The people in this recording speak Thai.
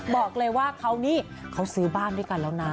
บอกเลยว่าเขานี่เขาซื้อบ้านด้วยกันแล้วนะ